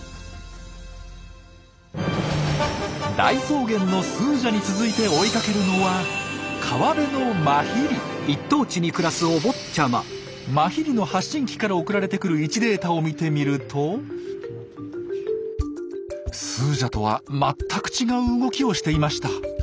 大草原のスージャに続いて追いかけるのはマヒリの発信機から送られてくる位置データを見てみるとスージャとは全く違う動きをしていました。